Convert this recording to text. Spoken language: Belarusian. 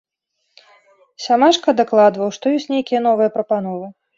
Сямашка дакладваў, што ёсць нейкія новыя прапановы.